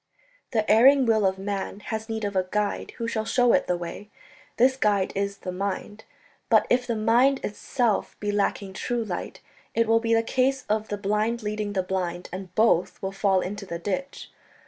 "The erring will of man has need of a guide who shall show it the way ... this guide is the mind. But if the mind itself be lacking true light ... it will be a case of the blind leading the blind, and both will fall into the ditch